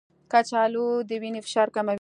کچالو د وینې فشار کموي.